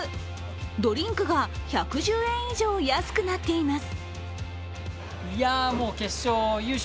ドリンクが１１０円以上安くなっています。